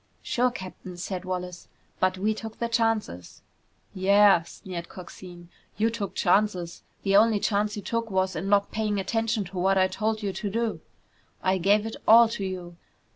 "Sure, Captain," said Wallace, "but we took the chances!" "Yeah," sneered Coxine. "You took chances! The only chance you took was in not paying attention to what I told you to do. I gave it all to you.